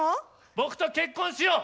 僕と結婚しよう！